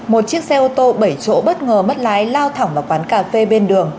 một chiếc xe ô tô bảy chỗ bất ngờ mất lái lao thẳng vào quán cà phê bên đường